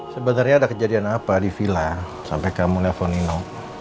sebenarnya ada kejadian apa di villa sampai kamu nevonino